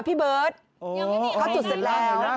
พี่เบิร์ตเขาจุดเสร็จแล้ว